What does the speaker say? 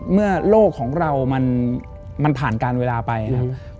เมื่อโลกของเรามันผ่านการเวลาไปครับ